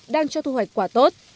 đang cho thu hoạch quả tốt